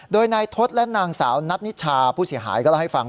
โดยนายทศและนางสาวนัทนิชาผู้เสียหายก็เล่าให้ฟัง